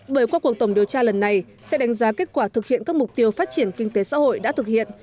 bởi qua cuộc tổng điều tra lần này sẽ đánh giá kết quả thực hiện các mục tiêu phát triển kinh tế xã hội đã thực hiện